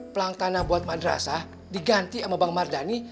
pelang tanah buat madrasah diganti sama bang mardhani